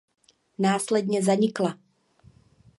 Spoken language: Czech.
Následně zanikla.